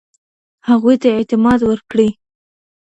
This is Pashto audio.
هغوی ته اعتماد ورکړئ.